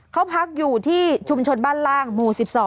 เขาพักอยู่ที่ชุมชนบ้านล่างหมู่๑๒